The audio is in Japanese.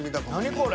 これ。